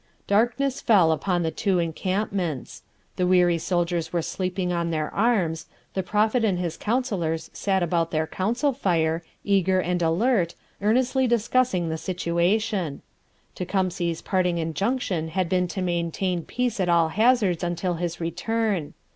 Darkness fell upon the two encampments. The weary soldiers were sleeping on their arms; the Prophet and his counsellors sat about their council fire, eager and alert, earnestly discussing the situation. Tecumseh's parting injunction had been to maintain peace at all hazards until his return.